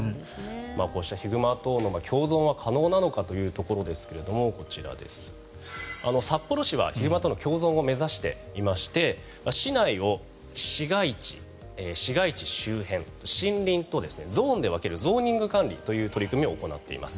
こうしたヒグマとの共存は可能なのかというところですがこちら、札幌市はヒグマとの共存を目指していまして市内を市街地、市街地周辺、森林とゾーンで分けるゾーニング管理という取り組みを行っています。